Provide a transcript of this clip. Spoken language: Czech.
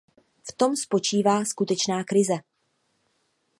V tom spočívá skutečná krize.